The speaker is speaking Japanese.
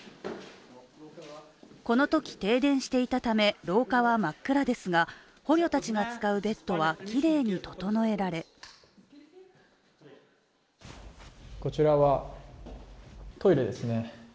このとき停電していたため廊下は真っ暗ですが、捕虜たちが使うベッドはきれいに整えられこちらはトイレですね。